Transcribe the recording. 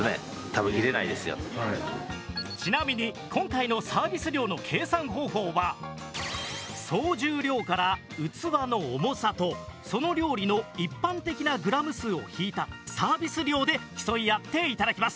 ちなみに今回のサービス量の計算方法は総重量から器の重さとその料理の一般的なグラム数を引いたサービス量で競い合っていただきます。